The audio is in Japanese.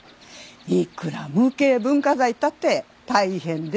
いくら無形文化財ったって大変ですよ。